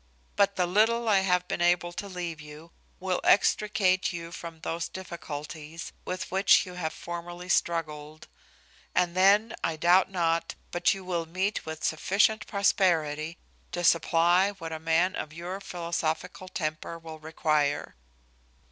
But the little I have been able to leave you will extricate you from those difficulties with which you have formerly struggled; and then I doubt not but you will meet with sufficient prosperity to supply what a man of your philosophical temper will require.